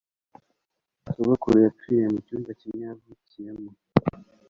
sogokuru yapfiriye mu cyumba kimwe yavukiyemo